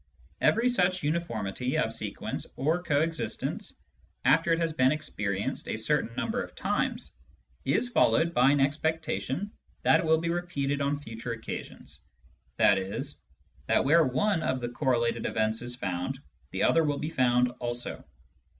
Every such uniformity of sequence or coexistence, after it has been experienced a certain number of times, is followed by an expectation that it will be repeated on future occasions, Le. that where one of the correlated events is found, the other will be found also.